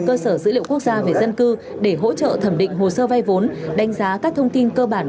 cơ sở dữ liệu quốc gia về dân cư để hỗ trợ thẩm định hồ sơ vay vốn đánh giá các thông tin cơ bản